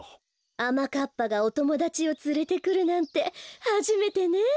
あまかっぱがおともだちをつれてくるなんてはじめてね。